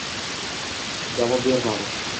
Javob bermadi.